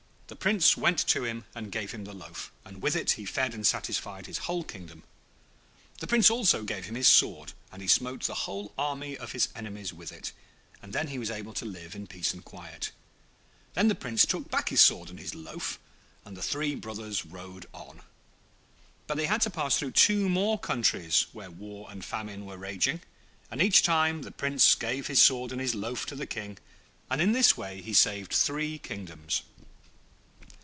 The Prince went to him and gave him the loaf, and with it he fed and satisfied his whole kingdom. The Prince also gave him his sword, and he smote the whole army of his enemies with it, and then he was able to live in peace and quiet. Then the Prince took back his sword and his loaf, and the three brothers rode on. But they had to pass through two more countries where war and famine were raging, and each time the Prince gave his sword and his loaf to the King, and in this way he saved three kingdoms.